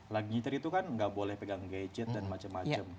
lagi nyetir itu kan nggak boleh pegang gadget dan macam macam